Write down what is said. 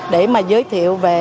để mà giới thiệu về